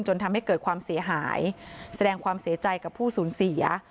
จนทำให้เกิดความเสียหายแสดงความเสียใจกับผู้สูญเสีย